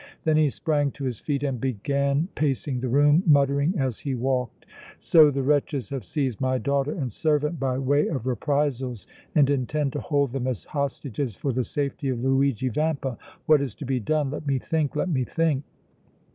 Then he sprang to his feet and began pacing the room, muttering as he walked: "So the wretches have seized my daughter and servant by way of reprisals and intend to hold them as hostages for the safety of Luigi Vampa! What is to be done? Let me think, let me think!"